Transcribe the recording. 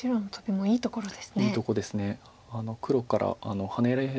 いいとこです。